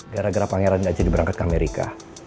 gara gara pangeran tidak jadi berangkat ke amerika